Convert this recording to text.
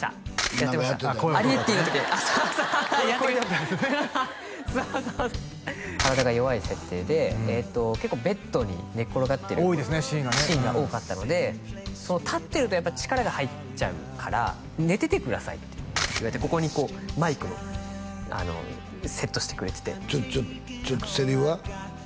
やってました「アリエッティ」の時そうそうそうそうそう体が弱い設定で結構ベッドに寝っ転がってるシーンが多かったので立ってるとやっぱ力が入っちゃうから寝ててくださいって言われてここにこうマイクのセットしてくれててちょっとセリフは？